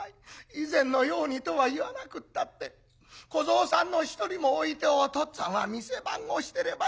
以前のようにとは言わなくったって小僧さんの一人も置いてお父っつぁんは店番をしてればいい。